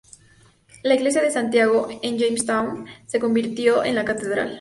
La Iglesia de Santiago en Jamestown se convirtió en la catedral.